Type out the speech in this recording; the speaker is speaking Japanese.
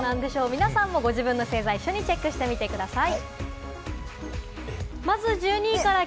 皆さんもご自分の星座を一緒にチェックしてみてください。